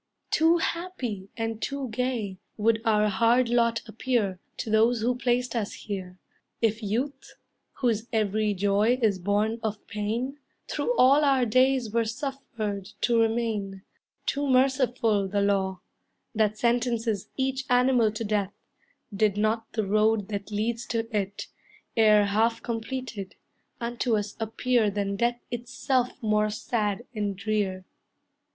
Too happy, and too gay Would our hard lot appear To those who placed us here, if youth, Whose every joy is born of pain, Through all our days were suffered to remain; Too merciful the law, That sentences each animal to death, Did not the road that leads to it, E'er half completed, unto us appear Than death itself more sad and drear.